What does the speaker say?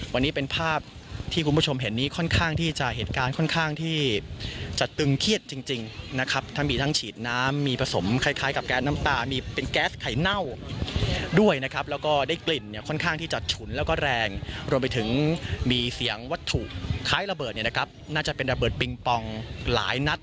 วันนี้เป็นภาพที่คุณผู้ชมเห็นนี้ค่อนข้างที่จะเหตุการณ์ค่อนข้างที่จะตึงเครียดจริงนะครับทั้งมีทั้งฉีดน้ำมีผสมคล้ายกับแก๊สน้ำตามีเป็นแก๊สไข่เน่าด้วยนะครับแล้วก็ได้กลิ่นเนี่ยค่อนข้างที่จะฉุนแล้วก็แรงรวมไปถึงมีเสียงวัตถุคล้ายระเบิดเนี่ยนะครับน่าจะเป็นระเบิดปิงปองหลายนัด